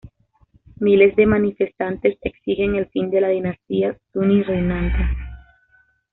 Miles de manifestantes exigen el fin de la dinastía suní reinante.